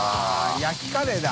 焼きカレーだ。